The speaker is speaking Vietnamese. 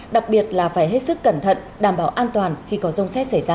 đặc biệt là phải hết sức cẩn thận đảm bảo an toàn khi có rông xét xảy ra